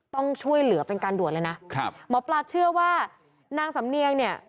ต้องช่วยเหลือเป็นการด่วนเลยนะครับหมอปลาเชื่อว่านางสำเนียงเนี่ย